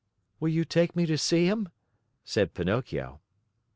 "Will you take me to see him?" said Pinocchio.